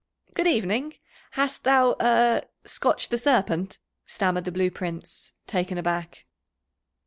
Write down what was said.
"Good evening, hast thou er scotched the Serpent?" stammered the Blue Prince, taken aback.